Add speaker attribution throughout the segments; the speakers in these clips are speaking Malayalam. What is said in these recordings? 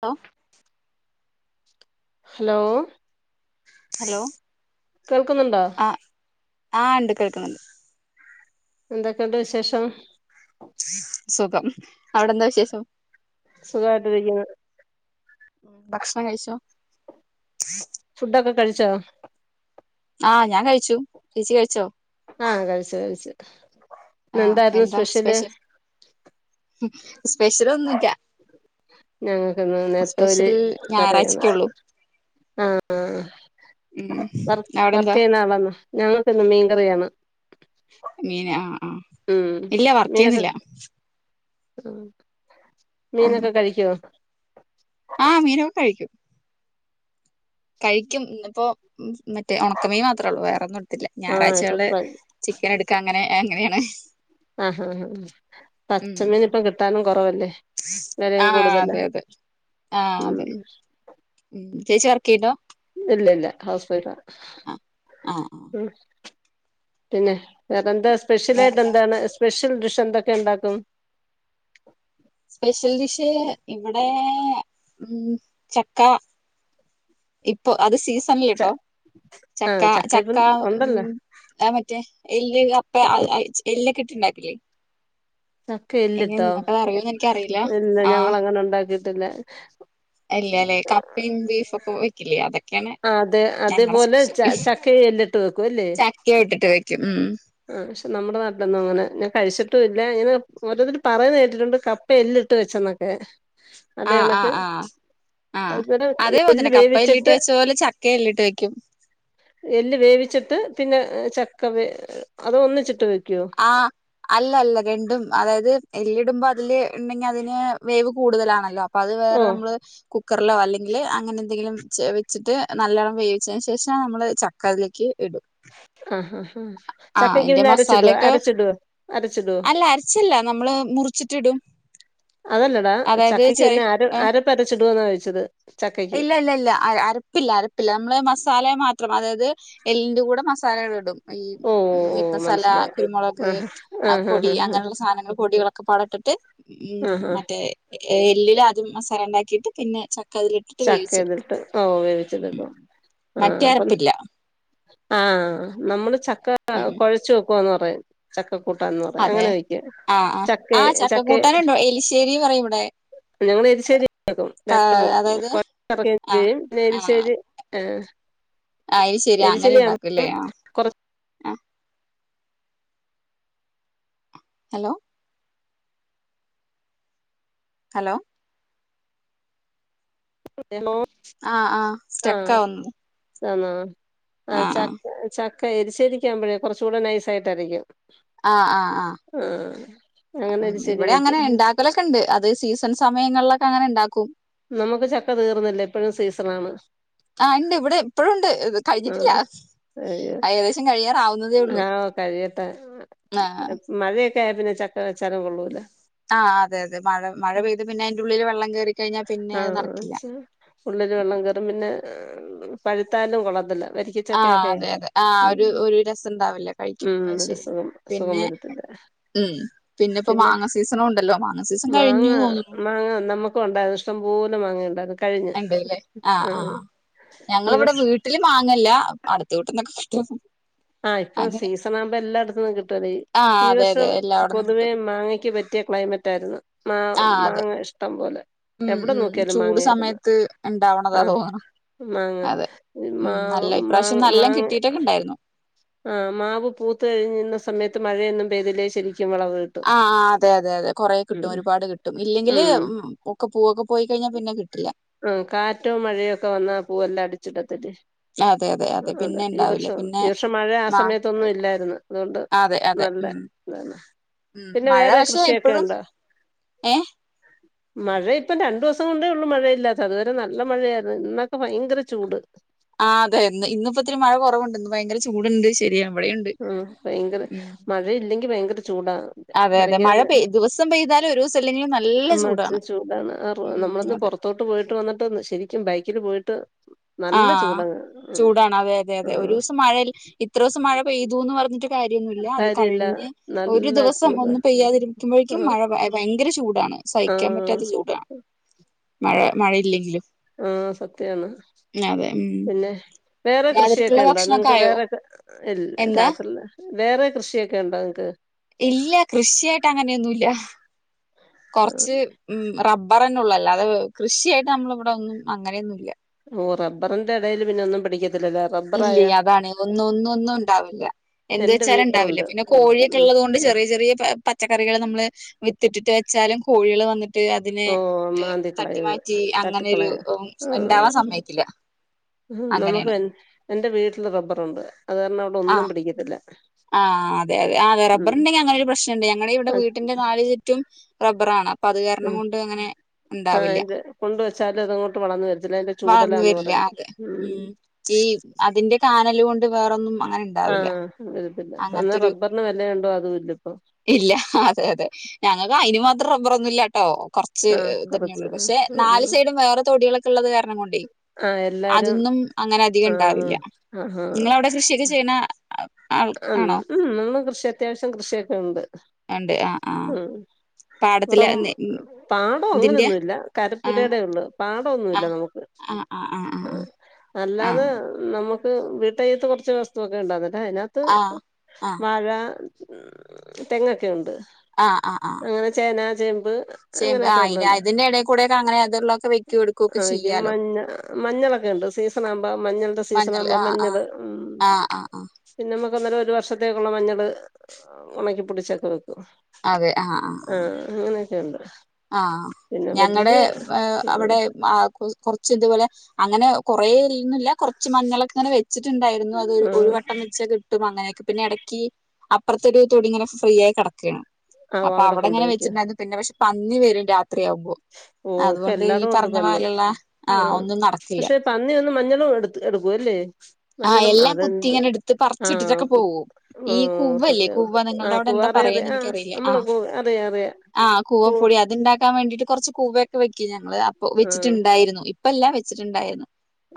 Speaker 1: അ
Speaker 2: ഹലോ
Speaker 1: ഹലോ
Speaker 2: കേൾക്കുന്നുണ്ടോ
Speaker 1: ആ ആ ഉണ്ട് കേൾക്കുന്നുണ്ട്
Speaker 2: എന്തൊക്കെയണ്ട് വിശേഷം
Speaker 1: അവിടെന്താ വിശേഷം
Speaker 2: സുഖായിട്ടിരിക്കുന്നു
Speaker 1: ഉം ഭക്ഷണം കഴിച്ചോ
Speaker 2: ഫുഡൊക്കെ കഴിച്ചോ
Speaker 1: അ ഞാൻ കഴിച്ചു ചേച്ചി കഴിച്ചോ
Speaker 2: ആഹ കഴിച്ചു കഴിച്ചു ഇന്ന്
Speaker 1: ആഹ
Speaker 2: എന്തായിരുന്നു
Speaker 1: എന്താ
Speaker 2: സ്പെഷ്യല്
Speaker 1: സ്പെഷ്യൽ സ്പെഷ്യൽന്നുമല്ല
Speaker 2: ഞങ്ങൾക്ക്ന്ന് നെത്തോല് കറിയാണ്
Speaker 1: ഞായറാഴ്ചക്കെ ഉള്ളൂ
Speaker 2: ആഹ
Speaker 1: ഉം
Speaker 2: വർ വർക്ക്
Speaker 1: അവിടെന്താ
Speaker 2: ചെയ്യുന്നാളന്നോ ഞങ്ങൾക്കന്നും മീൻകറിയാണ്
Speaker 1: മീൻ ആ ആ
Speaker 2: ഉം
Speaker 1: ഇല്ല വർക്ക്
Speaker 2: നിങ്ങക്ക്
Speaker 1: ചെയ്യുന്നില്ല
Speaker 2: ഉം
Speaker 1: ഉം
Speaker 2: മീനൊക്കെ കഴിക്കോ
Speaker 1: ആ മീനൊക്കെ കഴിക്കും കഴിക്കും ഇന്നിപ്പോ മറ്റേ ഉണക്കമീൻ മാത്രേ ഉള്ളൂ വേറെന്നും എടുത്തില്ല
Speaker 2: ആഹ് ഇപ്പൊ
Speaker 1: ഞായറാഴ്ചകള്
Speaker 2: പ
Speaker 1: ചിക്കൻ എടുക്കാ അങ്ങനെ എങ്ങനെയാണ്
Speaker 2: ആ ആ പച്ചമീനി ഇപ്പം കിട്ടാനും കുറവല്ലേ വിലയും
Speaker 1: ആഹ
Speaker 2: കൂടുതലാ
Speaker 1: അതെ അതെ ആഹ
Speaker 2: ഉം
Speaker 1: അതെ ഉ ചേച്ചി വർക് ചെയ്യുന്നുണ്ടോ
Speaker 2: ഇല്ല ഇല്ല ഹൗസ് വൈഫ്
Speaker 1: ആ ആ ആ
Speaker 2: ഉം പിന്നെ വേറെന്താ സ്പെഷ്യലായിട്ട്
Speaker 1: വേറെന്താ
Speaker 2: എന്താണ് സ്പെഷ്യൽ ഡിഷ് എന്ത ക്കെ ണ്ടാക്കും
Speaker 1: സ്പെഷ്യൽ ഡിഷ് ഇവിടെ ഉം ചക്ക ഇ പ്പൊ അത്
Speaker 2: ച
Speaker 1: സീസണിലിട്ടോ ചക്ക
Speaker 2: ആഹ്
Speaker 1: ചക്ക
Speaker 2: ഇപ്പം ഉണ്ടല്ലോ
Speaker 1: ഉം ആ മറ്റേ എയ് അപ്പ ഐ ഐ എല്ലക്കിട്ട്ണ്ടായി ല്ലേ
Speaker 2: ചക്ക
Speaker 1: എങ്ങനെ
Speaker 2: ഇല്ലട്ടോ
Speaker 1: നിങ്ങക്കത് അറിയോന്ന് എനിക്കറിയില്ല
Speaker 2: ഇല്ല
Speaker 1: ആ
Speaker 2: ഞങ്ങളങ്ങനെ ഉണ്ടാക്കിയിട്ടില്ല
Speaker 1: എല്ലലേ കപ്പേം ബീഫോക്കെ വെക്കില്ലേ അതെ
Speaker 2: ആ അതെ അതേപോലെ ച ചക്കെ എല്ലിട്ട് വെക്കുവല്ലേ
Speaker 1: ചക്ക ഇട്ടിട്ട് വെക്കും ഉം
Speaker 2: ആ ഷെ നമ്മടെ നാട്ടിലൊന്നും അങ്ങനെ ഞാൻ കഴിച്ചി ട്ടുല്ല ഇങ്ങനെ ഓരോരുത്തർ പറയുന്ന കേട്ടിട്ടുണ്ട് കപ്പേ എല്ലിട്ട് വെച്ചെന്നൊക്കെ
Speaker 1: ആഹ്
Speaker 2: അതേകണക്ക്
Speaker 1: ആഹ് ആഹ് ആഹ്
Speaker 2: അത്പ്
Speaker 1: അതേപോലെ
Speaker 2: എല്ല്
Speaker 1: തന്നെ കപ്പ എല്ലിട്ട്
Speaker 2: വേവിച്ചിട്ട്
Speaker 1: വെച്ച പോലെ ചക്ക എല്ലിട്ട് വെക്കും
Speaker 2: എല്ല് വേവിച്ചിട്ട് പിന്നെ ചക്കവേ അതോ ഒന്നിച്ചിട്ട് വെ
Speaker 1: ആ അല്ലല്ല രണ്ടും അതായത് എല്ലിടുമ്പോ അതില് ഇണ്ടെങ്കി അതിന് വേവ് കൂടുതലാണല്ലോ അപ്പത് വേറെ
Speaker 2: ഓഹ്
Speaker 1: നമ്മള് കു ക്കർലോ അല്ലെങ്കില് അങ്ങനെ എന്തെങ്കിലും വെച്ചിട്ട് നല്ലവണ്ണം വേവിച്ചതിന് ശേഷ നമ്മള് ചക്കതിലേക്ക് ഇടും
Speaker 2: ഹ ഹാ
Speaker 1: ആ അയ്ന്റെ മസാലെക്കെ
Speaker 2: അരച്ചിടുവോ
Speaker 1: അല്ല അരച്ചല്ല നമ്മള് മുറിച്ചിട്ടിടും
Speaker 2: അതല്ലടാ
Speaker 1: അതായത് ചെറി ഏ
Speaker 2: ടുവോന്നോയിച്ചത്
Speaker 1: ഇല്ലല്ലല്ല അ അരപ്പില്ല അരപ്പില്ല നമ്മള് മസാലെ മാത്രം അതായത് എല്ലിന്റെ കൂടെ മസാലകള്ടും ഈ
Speaker 2: ഓ ഓ
Speaker 1: മീറ്റ് മസാല
Speaker 2: മനസ്സിലായി
Speaker 1: കുരുമുളക്
Speaker 2: ആഹ്
Speaker 1: അ
Speaker 2: ആഹ്
Speaker 1: പൊടി
Speaker 2: ആഹ്
Speaker 1: അങ്ങനെയുള്ള സാധനങ്ങൾ പൊടികളൊക്കെപാടെ ത്തെട്ട് ഉം
Speaker 2: ആഹ്
Speaker 1: മറ്റേ ഏല്ലിലാദ്യം മസാലണ്ടാക്കിട്ട് പിന്നെ ചക്കതില്
Speaker 2: ചക്കതിലിട്ട് ഓ വേവിച്ചടുക്കും ആ
Speaker 1: മറ്റേ
Speaker 2: അപ്പം
Speaker 1: അരപ്പില്ല
Speaker 2: ആ നമ്മള് ച ക്ക
Speaker 1: ഉം
Speaker 2: കൊഴച്ച് വെക് പോന്നറയും ചക് ക്ക കൂട്ടാൻന്ന് പറയും
Speaker 1: അതെ
Speaker 2: അങ്ങനെ കഴിക്കും
Speaker 1: ആഹ് ആഹ്
Speaker 2: ചക്കെ
Speaker 1: ആഹ് ചക്ക
Speaker 2: ചക്കെ
Speaker 1: കൂട്ടാനുണ്ടോ എലിശ്ശേരി പറയും ഇവിടെ
Speaker 2: ഞങ്ങള് എരിശേരി വെ ക്കും ര ണ്ടും വെക്കും
Speaker 1: അതായത്
Speaker 2: [unintelligible] ചെയ്യും ന്നെരിശേരി ആ
Speaker 1: അയ് ശെരി അങ്ങനെ ഉണ്ടാക്കൂല്ലേ
Speaker 2: കൊറച്ച്
Speaker 1: അ ഹലോ? ഹലോ ആ ആ സ്റ്റെക്കാവുന്നു.
Speaker 2: ആണോ ആഹ ച ച ക്കെ എരിശ്ശേരിക്കാവുമ്പോഴേ കുറച്ചുടെ നൈസായിട്ടായിരിക്കും
Speaker 1: ആഹ് ആഹ് ആഹ്
Speaker 2: അങ്ങനെ
Speaker 1: ഉം
Speaker 2: എരിശ്ശേരി
Speaker 1: ഇവിടെ അങ്ങനെ
Speaker 2: വെക്കും
Speaker 1: ഇണ്ടാക്കലൊക്കെ ഇണ്ട് അത് സീസൺസ് സമയങ്ങളിലൊക്കെ അങ്ങനെ ഉണ്ടാക്കും
Speaker 2: നമുക്ക് ചക്ക തീർന്നില്ല എപ്പോഴും സീസൺ ആണ്
Speaker 1: ആഹ് ഉണ്ട് ഇവിടെ ഇപ്പഴും ഉണ്ട്
Speaker 2: ആ
Speaker 1: കഴിഞ്ഞിട്ടില്ല
Speaker 2: അ
Speaker 1: ഏകദേശം കഴിയാറാവുന്നതേ ഉള്ളൂ
Speaker 2: ആ കഴിയട്ടെ
Speaker 1: ആഹ്
Speaker 2: മഴയൊ ക്കെ ആയാ പിന്നെ ചക്ക വെച്ചാലും കൊള്ളൂല
Speaker 1: ആഹ് അതെ അതെ മഴ മഴ പെയ്ത് പിന്നെ അതിന്റുള്ളില് വെള്ളം കേറി കഴിഞ്ഞാ പിന്നെ അത്
Speaker 2: ആഹ്
Speaker 1: നടക്കില്ല
Speaker 2: ച് ഉള്ളില് വെള്ളം കേറും പിന്നെ ഏഹ് പഴുത്താലും കൊള്ളത്തില്ല
Speaker 1: ആഹ്
Speaker 2: വരിക്കച്ചക്കയൊക്കെ
Speaker 1: അതെ അതെ ആഹ്
Speaker 2: ഉം
Speaker 1: ഒരു ഒരു രസംണ്ടാവില്ല കഴിക്കുമ്പോ
Speaker 2: ഉം
Speaker 1: അത്
Speaker 2: ഒരു
Speaker 1: ശരിയാ
Speaker 2: സുഖം സുഖം
Speaker 1: പിന്നെ
Speaker 2: വരത്തില്ല
Speaker 1: ഉം പിന്നെപ്പോ
Speaker 2: പിന്നെ
Speaker 1: മാങ്ങ സീസണു ഉണ്ടല്ലോ മാങ്ങ സീസൺ
Speaker 2: മാങ്ങ
Speaker 1: കഴിഞ്ഞു തോന്നുന്നു
Speaker 2: മാങ്ങ നമ്മുക്കും ഉണ്ടായിരുന്നു ഇഷ്ടം പോലെ മാങ്ങ ഇണ്ടാരുന്നു
Speaker 1: ഇണ്ട്ല്ലേ ആഹ് ആഹ്
Speaker 2: ഈ
Speaker 1: ഞങ്ങളിവിടെ
Speaker 2: വർഷം
Speaker 1: വീട്ടില് മാങ്ങ ല്ല അടുത്ത വീട്ട്ന്നൊക്കെ [unintelligible]
Speaker 2: ആഹ് ഇപ്പൊ സീസണാവുമ്പോ എല്ലാട ന്ന് കി ട്ടുലേ
Speaker 1: ആഹ്
Speaker 2: ഈ
Speaker 1: അതെ അതെ
Speaker 2: വർഷം
Speaker 1: എല്ലാവിടന്നും
Speaker 2: പൊതുവേ
Speaker 1: കിട്ടും
Speaker 2: മാങ്ങയ്ക്ക് പറ്റിയ ക്ലൈമറ്റാരുന്നു മാ
Speaker 1: ആഹ് അതെ
Speaker 2: മാങ്ങ ഇഷ്ടം പോലെ
Speaker 1: ഉം
Speaker 2: എവടെ
Speaker 1: ഉം
Speaker 2: നോക്കിയാലും മാങ്ങ
Speaker 1: ചൂട്
Speaker 2: ആയിരുന്നു.
Speaker 1: സമയത്ത് ഉണ്ടാവണതാ
Speaker 2: ആഹ്
Speaker 1: തോന്നണു
Speaker 2: മാങ്ങ
Speaker 1: അതെ ഉം
Speaker 2: മാവ്
Speaker 1: നല്ല
Speaker 2: മാ
Speaker 1: ഇപ്രാവശ്യം നല്ല
Speaker 2: മാങ്ങ
Speaker 1: കിട്ടിട്ടൊക്കെ ഉണ്ടായിരുന്നു
Speaker 2: ആഹ് മാവ് പൂത്ത കഴിഞ്ഞുന്ന സമയത്ത് മഴയൊന്നും പെയ്തില്ലേ ശരി
Speaker 1: ആഹ് അതെ അതെ അതെ കൊറേ കിട്ടും
Speaker 2: ഉം
Speaker 1: ഒരുപാട് കിട്ടും ഇല്ലെങ്കില്
Speaker 2: ഉം
Speaker 1: ഒക്കെ പൂവൊക്കെ പോയി കഴിഞ്ഞാ പിന്നെ കിട്ടില്ല
Speaker 2: ആഹ് ച്ചിട്ടത്തതേ
Speaker 1: അതെ അതെ അതെ പിന്നെ ഇണ്ടാവില്ല പിന്നെ
Speaker 2: ഈ വർഷം മഴ ആ
Speaker 1: മാ
Speaker 2: സമയത്തൊന്നും ഇല്ലായിരുന്നു അതുകൊണ്ട്
Speaker 1: അതെ അതെ.
Speaker 2: നല്ല
Speaker 1: ഉം
Speaker 2: ഇതാണ്
Speaker 1: ഉം
Speaker 2: പിന്നെ
Speaker 1: മഴ
Speaker 2: വേറെ
Speaker 1: പക്ഷെ
Speaker 2: കൃഷിയൊക്കെ
Speaker 1: ഇപ്പഴും
Speaker 2: ഇണ്ടോ
Speaker 1: ഏഹ്
Speaker 2: മഴ ഇപ്പം രണ്ടു ദിവസം കൊണ്ടേ ഉള്ളൂ മഴയില്ലാത്ത അതുവരെ നല്ല മഴയായിരുന്നു ഇന്നൊക്കെ ഭയങ്കര ചൂട്
Speaker 1: ആ അതെ ഇന്ന് ഇന്നിപ്പോ ഇത്തിരി മഴ കൊറവുണ്ട്. ഇന്ന് ഭയങ്കര ചൂടുണ്ട് ശരിയാണ്
Speaker 2: ഉം ഭയങ്കര മഴയില്ലെങ്കി ഭയങ്കര ചൂടാ
Speaker 1: അതെ അതെ മഴ
Speaker 2: പെരക്കാത്ത്
Speaker 1: പെയ് ദിവസം പെയ്താലും ഒരൂസം ഇല്ലെങ്കിലും നല്ല
Speaker 2: എ മച്ച് ചൂടാണ് അറ്
Speaker 1: ഉം
Speaker 2: നമ്മളൊന്ന്
Speaker 1: അതെ.
Speaker 2: പുറത്തോട്ട് പോയിട്ട് വന്നിട്ടന്ന് ശരി റ്റും ബൈക്കില് പോയിട്ട് നല്ല
Speaker 1: ആഹ
Speaker 2: ചൂടങ്ങ്
Speaker 1: ചൂടാണ് അതെ അതെ
Speaker 2: ആ
Speaker 1: അതെ ഒരു ദിവസം മഴയിൽ ഇത്ര ദിവസം മഴ പെയ്തൂന്ന് പറഞ്ഞിട്ട് കാര്യമൊന്നുമില്ല അത്
Speaker 2: കാര്യല്ല
Speaker 1: കഴിഞ്ഞ് ഒരു
Speaker 2: നല്ല
Speaker 1: ദിവസം
Speaker 2: ചൂട്
Speaker 1: ഒന്നും പെയ്യാതിരിക്കുമ്പോഴേക്കും
Speaker 2: ആ
Speaker 1: മഴ ഭയങ്കര ചൂടാണ്
Speaker 2: ആ
Speaker 1: സഹിക്കാൻ പറ്റാത്ത ചൂടാണ് മഴ മഴയില്ലെങ്കിലും
Speaker 2: ആ സത് ത്യാണ്
Speaker 1: അതെ ഉം
Speaker 2: പിന്നെ വേറെ കൃഷിയൊക്കെ
Speaker 1: രാത്രിക്കുള്ള
Speaker 2: ഉണ്ടോ
Speaker 1: ഭക്ഷണൊക്കെ
Speaker 2: നിങ്ങക്ക്
Speaker 1: ആയോ
Speaker 2: വേറെ ഇല്ല
Speaker 1: എന്താ
Speaker 2: രാത്രില് വേറെ കൃഷിയൊക്കെ ഉണ്ടോ നിങ്ങക്ക്
Speaker 1: ഇല്ല കൃഷിയായിട്ട് അങ്ങനെയൊന്നുല്ല
Speaker 2: ആ.
Speaker 1: കൊറച്ച് റബ്ബറ് ഉള്ള് അല്ലാതെ കൃഷിയായിട്ട് നമ്മളെ ഇവിടെ ഒന്നും അങ്ങനെയൊന്നും ഇല്ല
Speaker 2: ഓ റബ്ബറിന്റെ എടേയില് പിന്നെ ഒന്നും പിടിക്കത്തി
Speaker 1: ഇല്ല അതാണ് ഒന്നും ഒന്നും ഒന്നും ഉണ്ടാവില്ല എന്ത്
Speaker 2: എന്റെ
Speaker 1: വെച്ചാലും ഉണ്ടാവില്ല
Speaker 2: വീട്ടുണ്ട്
Speaker 1: പിന്നെ
Speaker 2: ഉം
Speaker 1: കോഴിയൊക്കെ
Speaker 2: ഉം.
Speaker 1: ഉള്ളത് കൊണ്ട് ചെറിയ ചെറിയ പച്ചക്കറികൾ നമ്മള് വിത്തിട്ടിട്ട് വച്ചാലും കോഴികൾ വന്നിട്ട് ട്ട് അതിനെ
Speaker 2: ഓ
Speaker 1: തട്ടി
Speaker 2: മാന്തിക്കളയ
Speaker 1: മാറ്റി അങ്ങനൊരു
Speaker 2: തട്ടിക്കളയ ആ
Speaker 1: ഉണ്ടാവാൻ സമ്മതിക്കില്ല
Speaker 2: ഉം
Speaker 1: അങ്ങനെയാണ്
Speaker 2: നമുക്ക് എന്റെ വീട്ടില് റബ്ബറുണ്ട് അത് കാരണം അവിടെ ഒന്നും
Speaker 1: ആഹ്
Speaker 2: പിടിക്കത്തില്ല
Speaker 1: ആഹ് അതെ അതെ അതെ
Speaker 2: ഉം
Speaker 1: റബ്ബറുണ്ടെങ്കിൽ അങ്ങനെ ഒരു പ്രശ്നമുണ്ട് ഞങ്ങടെ ഇവിടെ
Speaker 2: ആ
Speaker 1: വീട്ടിന്റെ നാല് ചുറ്റും റബ്ബർ ആണ്
Speaker 2: ആഹ് അതിന്റെ കൊണ്ടുവച്ചാലും അതങ്ങോട്ട് വളന്ന് വരത്തില്ല അതിന്റെ
Speaker 1: വളർന്നു
Speaker 2: ചൂടലാന്ന്
Speaker 1: വരില്ല
Speaker 2: പറയും
Speaker 1: അതെ ചാനല് കൊണ്ട് വേറൊന്നും അങ്ങനെ ഉണ്ടാവില്ല
Speaker 2: ആഹ് എന്നാ
Speaker 1: അങ്ങനത്തൊരു
Speaker 2: റബ്ബറിന് വെലയ് ഉണ്ടോ അതുമില്ല
Speaker 1: ഇല്ല അതെ അതെ ഞങ്ങൾക്ക് അയിനു മാ ത്രം റബ്ബാറൊന്നുമില്ല ട്ടോ കുറച്ച്
Speaker 2: ആഹ് കൊറച്ച്
Speaker 1: ഇതന്നെയുള്ളൂ പക്ഷെ നാല് സൈഡും വേറെ തൊടികളൊക്കെ ഉള്ളത് കാരണം കൊണ്ടേ
Speaker 2: ആഹ് എല്ലാരും
Speaker 1: അതൊന്നും അങ്ങനെ അധികം ഇണ്ടാവില്ല
Speaker 2: ആഹ്
Speaker 1: നിങ്ങളവിടെ കൃഷിയൊക്കെ ചെയ്യുന്ന
Speaker 2: ങം ഉം കൃഷി അത്യാവശ്യം കൃഷിയൊക്കെ ഉണ്ട്
Speaker 1: ഉണ്ട് ആഹ് ആഹ് പാടത്തിലെ
Speaker 2: പുറം പാടം
Speaker 1: ഇതിന്റെ
Speaker 2: അങ്ങനൊന്നൂല്ല
Speaker 1: ആ
Speaker 2: കരപ്പുരേടെ ഒള്ളൂ
Speaker 1: ആ
Speaker 2: പാടൊന്നൂല്ല നമുക്ക് ആ
Speaker 1: ആ ആ
Speaker 2: അല്ലാതെ നമുക്ക് വീട്ടയ്യത്ത് കൊറച്ച് വസ്തു ഒക്കെ ഉണ്ടാരുന്നതേ ത്
Speaker 1: ആ
Speaker 2: വാഴ തെങ്ങൊക്കെ ഉണ്ട്
Speaker 1: ആഹ് ആഹ് ആഹ്
Speaker 2: അങ്ങനെ ചേന ചേമ്പ് അങ്ങനെയൊക്കെ ഉള്ള
Speaker 1: കൂടെയൊക്കെ അങ്ങനെ അതുള്ളൊക്കെ വെക്കി
Speaker 2: [unintelligible]
Speaker 1: എടുക്കുകൊക്കെ ചെയ്യാലോ
Speaker 2: മഞ്ഞ മഞ്ഞളൊക്കെ ഉണ്ട് സീസണാവുമ്പോ മഞ്ഞളിന്റെ
Speaker 1: മഞ്ഞൾ
Speaker 2: സീസണാകുമ്പോ
Speaker 1: ആ ആ
Speaker 2: മഞ്ഞത്
Speaker 1: ആ ആ ആ
Speaker 2: നമുക്ക് അന്നേരം ഒരു വർഷത്തേക്കുള്ള മഞ്ഞള് ഉണക്കിപ്പൊടിച്ചൊക്കെ വെക്കും
Speaker 1: അതെ ആഹ് ആഹ്
Speaker 2: ക്കെയുണ്ട്
Speaker 1: ആ ഞങ്ങടെ വ അവിടെ
Speaker 2: ആഹ്
Speaker 1: ആ കുറച്ച് ഇതുപോലെ അങ്ങനെ കൊറേലീന്നില്ല കുറച്ച് മഞ്ഞളൊക്കെ ഇങ്ങനെ വെച്ചിട്ടുണ്ടായിരുന്നു അത് രു ഒരു
Speaker 2: ആഹ്
Speaker 1: വട്ടം വെച്ച കിട്ടും അങ്ങനെയൊക്കെ പിന്നെ ഇടയ്ക്ക് അ പ്പറത്തൊരു തൊടിങ്ങനെ ഫ്രീയായി കിടക്കാണ്
Speaker 2: ആഹ്
Speaker 1: അപ്പൊ
Speaker 2: അവിടെ കൊണ്ട്
Speaker 1: അവിടെങ്ങനെ
Speaker 2: വെക്കും
Speaker 1: വെച്ചിണ്ടാക്കി പിന്നെ പക്ഷെ പന്നി വരും രാത്രി ത്രിയാവുമ്പോ
Speaker 2: ഓഹ് ഇപ്പ
Speaker 1: അതുകൊണ്ട് ഈ
Speaker 2: എല്ലാടും ഉണ്ട്
Speaker 1: പറഞ്ഞ
Speaker 2: പന്നി
Speaker 1: മാരിള്ള ആഹ് ഒന്നും നടക്കില്ല
Speaker 2: ത്തൊ എടുത്ത് എടുക്കു അല്ലേ
Speaker 1: ആ
Speaker 2: മഞ്ഞളും
Speaker 1: എല്ലാം കുത്തി
Speaker 2: അതെന്ത്
Speaker 1: ഇങ്ങനെ എടുത്ത്
Speaker 2: ആഹ്
Speaker 1: പറിച്ചിട്ടിട്ടൊക്കെ
Speaker 2: കു
Speaker 1: പോവും ഈ
Speaker 2: ആഹ്
Speaker 1: കുവ്വല്ലേ
Speaker 2: സത്യാണ്
Speaker 1: കുവ്വ നിങ്ങളുടെ
Speaker 2: ആഹ്
Speaker 1: അവിടെ എന്താ
Speaker 2: കൂവാറെ അറിയ
Speaker 1: പറയാന്ന്
Speaker 2: ആഹ്
Speaker 1: എനിക്കറിയില്ല.
Speaker 2: നമ്മള്
Speaker 1: ആഹ്
Speaker 2: കൂ അറിയാ അറിയാ
Speaker 1: ആഹ്
Speaker 2: കൂ
Speaker 1: കൂവപ്പൊടി അത്ണ്ടാക്കാൻ വേണ്ടിട്ട് കുറച്ച് കൂവൊക്കെ വയ് - ക്കിന അത് അപ്പൊ
Speaker 2: ആഹ്
Speaker 1: വെച്ചിട്ട്ണ്ടായിരുന്നു. ഇ ഇപ്പല്ല വെച്ചിട്ടുണ്ടായിരുന്നു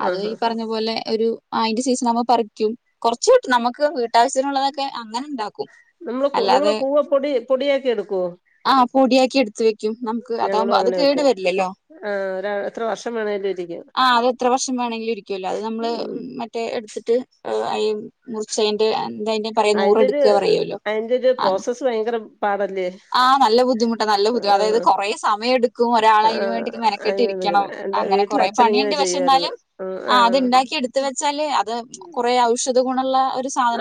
Speaker 1: അത്
Speaker 2: ആഹ്
Speaker 1: ഈ
Speaker 2: ആഹ്
Speaker 1: പറഞ്ഞ പോലെ ഒരു ആ അയ്ന്റെ സീസൺ ആവുമ്പോ പറിക്കും. കുറച്ചു കിട്ടും നമുക്ക് വീട്ടവശ്യത്തിനുള്ളതൊക്കെ ആ ങ്ങനെണ്ടാകും.
Speaker 2: നമ്മള്
Speaker 1: അല്ലാതെ
Speaker 2: നിങ്ങള് കൂവ പൊടി പൊടിയാക്കി എടുക്കുവോ
Speaker 1: ആ പൊടിയാക്കി എടുത്തുവെക്കും നമ്ക്
Speaker 2: ഞങ്ങളും
Speaker 1: അതാഉമ്പ അത്
Speaker 2: അങ്ങനെ വെക്കും
Speaker 1: കേടുവരില്ലല്ലോ
Speaker 2: ആഹ് ഒര എത്ര വർഷം വേണേലും ഇരിക്കും
Speaker 1: ആ അഹ് എത്ര വർഷം മേണെങ്കിലുരിക്യല്ലോ അഹ് നമ്മള്
Speaker 2: ഉം
Speaker 1: മറ്റേ എട്ത്തിട്ട് ഹ് അയീന്ന് മുർച്അയ്‌ന്റെ ആ
Speaker 2: അയിന്റെത് ആന്റെത്
Speaker 1: ആ
Speaker 2: പ്രോസസ് ഭയങ്കരം
Speaker 1: ആ നല്ല ബുദ്ധിമുട്ടാ നല്ല ബുദ്ധി അവയത്
Speaker 2: ആഹ്
Speaker 1: കൊറേ സമയട്ക്കു ഒരാള് അയിന്
Speaker 2: ആഹ്
Speaker 1: വേണ്ടി മെനകെട്ട്
Speaker 2: അങ്ങനെ
Speaker 1: ഇരിക്കണം
Speaker 2: എടുക്കുന്നെ. എന്റെ
Speaker 1: അങ്ങനെ
Speaker 2: വീട്ടില്
Speaker 1: കൊറേ
Speaker 2: അച്ഛൻ ഇങ്ങനെ
Speaker 1: പണിണ്ട് പക്ഷെ
Speaker 2: ചെയ്യുവായിരുന്നു
Speaker 1: ന്നാലും
Speaker 2: ആഹ്
Speaker 1: ആ അത്
Speaker 2: ആഹ്
Speaker 1: ഇണ്ടാക്കി എടുത്തുവെച്ചാല് അത് കൊറേ ഔഷ ത് ഗുണള്ള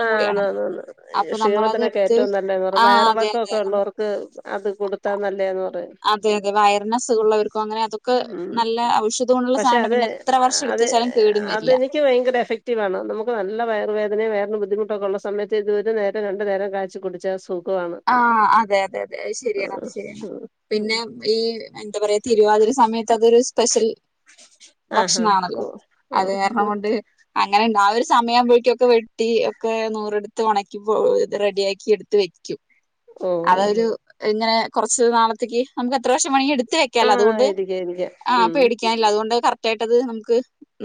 Speaker 2: ആ ന്ന ന്ന ന്ന ഈ
Speaker 1: നമ്മളത്
Speaker 2: ക്ഷീണത്തിനൊക്കെ
Speaker 1: എടുത്ത്
Speaker 2: ഏറ്റവും നല്ലതാപറ
Speaker 1: ആ അതെ അതെ
Speaker 2: വയറിളകൊകെ
Speaker 1: നമ്മ-
Speaker 2: ഉള്ളോർക് അത് കൊടുത്താ നല്ലെന്ന് പറ
Speaker 1: അതെ അതെ വയർന്അസുഖള്ളോർക് അങ്ങനെ അതൊക്കെ
Speaker 2: ഉം
Speaker 1: നല്ല ഔഷധമുള്ള
Speaker 2: പക്ഷെ
Speaker 1: സാന
Speaker 2: അത്
Speaker 1: പിന്നെ എത്ര
Speaker 2: അത്
Speaker 1: വർഷട്ത്തുവെച്ചാലും കേടുവരില്ല
Speaker 2: അതെനിക്ക് ഭയങ്കര എഫക്റ്റീവാണ് നമുക്ക് നല്ല [unintelligible] ബുദ്ധിമുട്ടൊക്കെ ഉള്ള സമയത്ത് ഇത് ഒരു നേരോ രണ്ട് നേരോ കാച്ചികുടിച്ച സു
Speaker 1: ആ അതേ അതേ അതേ അത് ശരിയാണ് അത്
Speaker 2: ആഹ്
Speaker 1: ശരിയാണ്
Speaker 2: ഉം
Speaker 1: പിന്നെ ഈ എന്താപറയ തിരുവാതിര സമയത്തൊക്കെ ഒരു സ് പെഷൽ
Speaker 2: ആഹാ
Speaker 1: ഭക്ഷണാണല്ലോ
Speaker 2: ഓ
Speaker 1: അത്കാരണം കൊണ്ട് അങ്ങനെ നാള് സമയാവുമ്പോക്ക് ഒക്കെ വെട്ടി ഒക്കെ നൂറേട്ത് ഒണക്കി പൊ റെഡി ആക്കി എട്ത്ത് വെക്കും
Speaker 2: ഓ
Speaker 1: അതൊരു പിന്നെ കൊറച്ച് നാളത്തേക്ക് നമക്ക് എ എത്ര വർഷം വേണെങ്കി എട്ത്ത് വെക്കാലോ
Speaker 2: ആഹ്
Speaker 1: അതുകൊണ്ട്
Speaker 2: ഇരിക്കാം ഇരിക്കാം
Speaker 1: ആ
Speaker 2: ഉം
Speaker 1: പേടിക്കാനില്ല അതുകൊണ്ട് കറ കേട്ടത് നമുക്ക്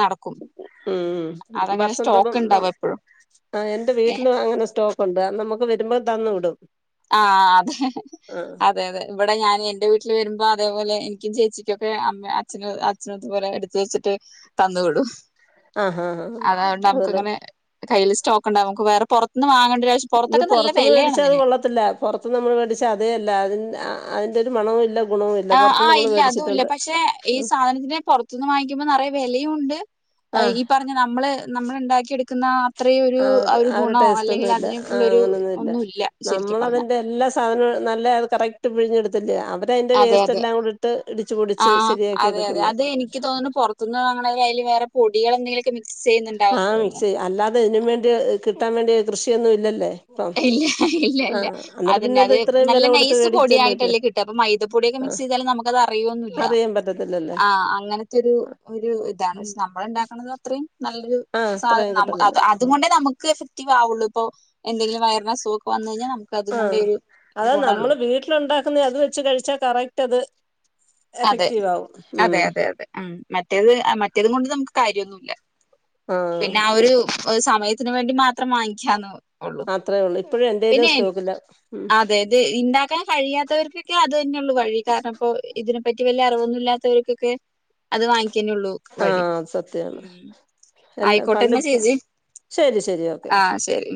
Speaker 1: നടക്കും
Speaker 2: ഉം
Speaker 1: അതങ്ങനെ
Speaker 2: വർഷത്തോറും
Speaker 1: സ്റ്റോക്ക് ഉണ്ടാവും എപ്പോഴും
Speaker 2: എന്റെ
Speaker 1: ഏ
Speaker 2: വീട്ടിൽ അങ്ങനെ സ്റ്റോക്ക് ഉണ്ട് അത് നമുക്ക് വരുമ്പോൾ തന്ന് വിടും
Speaker 1: ആ അതെ
Speaker 2: ആഹ്
Speaker 1: അതെ അതെ ഇവിടെ ഞാൻ എന്റെ വീട്ടിൽ വരുമ്പോ അതേപോലെ എനിക്കും ചേച്ചിക്കൊക്കെ അമ്മ അച് അച്ഛനുംതുപോലെ എട്ത്ത് വച്ചിട്ട് തന്നുവിടും
Speaker 2: ആഹ് ആഹ്
Speaker 1: അതാണ്ട്
Speaker 2: അതില്
Speaker 1: നമുക്ക്ങ്ങനെ കയ്യിൽ സ് സ്റ്റോക്ക്ണ്ടാവും നമക്ക് വേറെ പൊറത്ത്ന്ന് വാങ്ങണ്ട
Speaker 2: ഇത് പൊറത്തന്ന് മേടിച്ചാ അത് കൊള്ളത്തില്ല പൊറത്ത് നമ്മൾ മേടിച്ച അതേ അല്ല അതി അതിൻ്റെ ഒരു മണവും ഇല്ല ഗുണവും ഇല്ല
Speaker 1: ആ
Speaker 2: പുറത്ത്
Speaker 1: ആഹ്
Speaker 2: നമ്മൾ
Speaker 1: ഇല്ല അതും ഇല്ല
Speaker 2: മേടിച്ചിട്ടുണ്ട്
Speaker 1: പക്ഷെ ഈ സാധനത്തിനെ ഞാ പൊറത്തുന്ന് വാങ്ങിക്കുമ്പോ നറയെ വെലയുണ്ട്
Speaker 2: ആഹ്
Speaker 1: ഈ പറഞ്ഞ നമ്മള് നമ്മൾ ണ്ടാക്കി എട് ക്ക്ന്ന
Speaker 2: ആ ആ ഒരു ടേസ്റ്റ് ഒന്നുംല്ല ആ
Speaker 1: ഉള്ളൊരു
Speaker 2: അങ്ങനെയൊന്നുല്ല
Speaker 1: ഒന്നുല്ല ശരിക്കും പറഞ്ഞ
Speaker 2: നമ്മളതിന്റെ എല്ലാ സാധനവും നല്ല കറക്റ്റ് പിഴിഞ്ഞെടുത്ത് [unintelligible] ആം
Speaker 1: അതെ അതെ ആഹ്
Speaker 2: ശരിയാക്കി
Speaker 1: അതെ അതെ
Speaker 2: എടുക്കുന്നെ
Speaker 1: അത് എനിക്ക് തോന്നുന്നു പുറത്തന്ന് വങ്ങണ അതില് വേറെ പൊടികൾ എന്തെങ്കിലുമൊക്കെ മി
Speaker 2: ആഹ് മിക്സ് അല്ലാതെ ഇതിന് വേണ്ടി കിട്ടാൻ വേണ്ടിയ കൃഷിയൊന്നും ഇല്ലല്ലേ ഇപ്പം
Speaker 1: ഇല്ല ഇല്ല ഇല്ല
Speaker 2: ആഹ് അന്നേരം
Speaker 1: അതന്നെ
Speaker 2: പിന്നെ
Speaker 1: അത്
Speaker 2: ഇത്രയും
Speaker 1: നല്ല
Speaker 2: വില കൊടുത്ത്
Speaker 1: നൈസ്
Speaker 2: മേടിച്ചല്ലേ പറ്റു
Speaker 1: പൊടിയായിട്ടല്ലേ കിട്ട അപ്പൊ മൈദപ്പൊടിയൊക്കെ
Speaker 2: ആ
Speaker 1: മിക്സ് ചെയ്താലും നമക്കത് അറിയൊന്നുംല്ല
Speaker 2: അറിയാൻ പറ്റത്തില്ലല്ലേ
Speaker 1: ആ അങ്ങനത്തെ ഒരു ഒരു ഇതാണ് പക്ഷെ നമ്മൾ ണ്ടാക്ക്ണത് അത്രയും നല്ലൊരു
Speaker 2: ആ
Speaker 1: സാധനം
Speaker 2: അത്രയും
Speaker 1: നമ
Speaker 2: കിട്ടത്തില്ല
Speaker 1: അത് അതുകൊണ്ടേ നമുക്ക് എഫക്റ്റീവ് ആവുള്ളു പ്പോ എന്തെങ്കിലൊ വയറിന് അസുഖൊക്കെ വന്നു കഴിഞ്ഞാ ന
Speaker 2: ആ അതാ നമ്മള് വീട്ടിലുണ്ടാ അത് വെച്ച് കഴിച്ചാ കറക്റ്റ് അത്
Speaker 1: അതെ
Speaker 2: എഫക്റ്റീവ് ആവും
Speaker 1: അതെ
Speaker 2: ഉം
Speaker 1: അതെ അതെ ഉം മറ്റേത് മറ്റേത് കൊണ്ട് നമുക്ക് കാര്യന്നുല്ല
Speaker 2: ആഹ്
Speaker 1: പിന്നെ ആ ഒരു ഒരു സമയത്തിന് വേണ്ടി മാത്രം വാങ്ങിക്കാന്ന്
Speaker 2: അത്രേ ഉള്ളൂ ഇപ്പോഴും എന്റെലും
Speaker 1: പിന്നെ
Speaker 2: സ്റ്റോക്കില്ല ഉം
Speaker 1: അതെത് ഇണ്ടാക്കാൻ കഴിയാത്തവർക്കൊക്കെ അത് തന്നെ ഉള്ളു വഴി കാരണം ഇപ്പോ ഇതിന് പറ്റി വല്ല്യ അറിവൊന്നുംമില്ലാ ത്തവർക്കൊക്കെ അത് വാങ്ങിക്കന്നെ ഉള്ളൂ വഴി ഉം
Speaker 2: എല്ലാ പണ്ട്
Speaker 1: ആയിക്കോട്ടെന്നാ
Speaker 2: ഇപ്പ
Speaker 1: ചേച്ചി
Speaker 2: ശരി ശരി ഓക്കെ
Speaker 1: ആഹ് ശരി